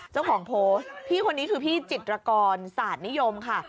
เจ้าของโพสต์พี่คนนี้คือพี่จิตรกรศาสตร์นิยมค่ะ